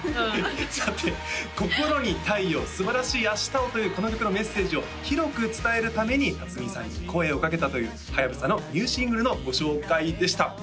さて心に太陽すばらしい明日をというこの曲のメッセージを広く伝えるために辰巳さんに声をかけたというはやぶさのニューシングルのご紹介でした